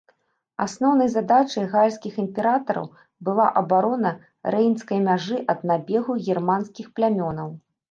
Асноўнай задачай гальскіх імператараў была абарона рэйнскай мяжы ад набегаў германскіх плямёнаў.